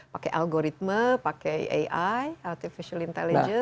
pakai algoritme pakai ai artificial intelligence atau apa